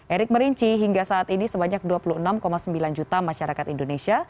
erick merinci hingga saat ini sebanyak dua puluh enam sembilan juta masyarakat indonesia